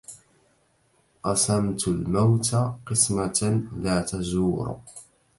قسمة الموت قسمة لا تجور